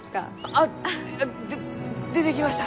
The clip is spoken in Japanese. あで出てきました！